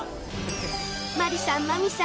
麻里さん真美さん